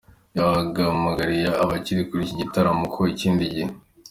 Yahamagariye abari muri iki gitaramo ko ikindi gihe